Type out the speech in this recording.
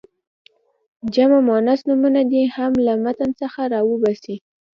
جمع مؤنث نومونه دې هم له متن څخه را وباسي.